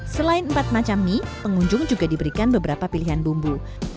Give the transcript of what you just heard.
selain empat macam mie pengunjung juga diberikan beberapa pilihan bumbu